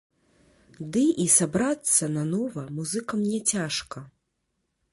Ды і сабрацца нанова музыкам не цяжка!